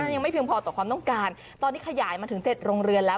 ยังไม่เพียงพอต่อความต้องการตอนนี้ขยายมาถึง๗โรงเรือนแล้ว